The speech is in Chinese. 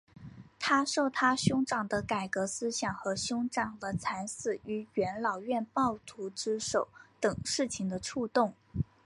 他受他兄长的改革思想和兄长的惨死于元老院暴徒之手等事情的触动。